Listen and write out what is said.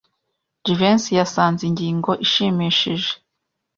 Jivency yasanze ingingo ishimishije.